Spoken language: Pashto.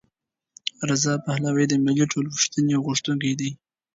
رضا پهلوي د ملي ټولپوښتنې غوښتونکی دی.